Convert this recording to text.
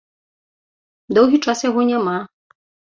Доўгі час яго няма.